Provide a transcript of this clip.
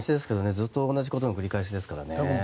ずっと同じことの繰り返しですからね。